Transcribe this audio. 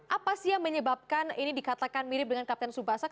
apa sih yang menyebabkan ini dikatakan mirip dengan kapten subasan